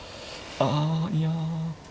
ああいや。